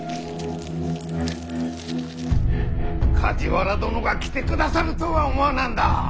梶原殿が来てくださるとは思わなんだ。